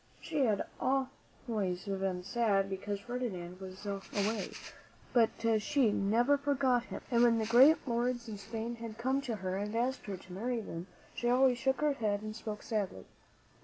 She had been very sad because Ferdinand was away, but she never forgot him; and when the great lords of Spain had come to her and asked her to marry them, she always shook her head and spoke sadly.